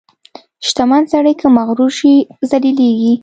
• شتمن سړی که مغرور شي، ذلیلېږي.